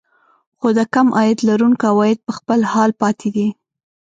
خو د کم عاید لرونکو عوايد په خپل حال پاتې دي